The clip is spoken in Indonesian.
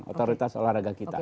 otoritas olahraga kita